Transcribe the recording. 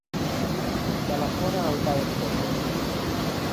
Telefona al Kai Redondo.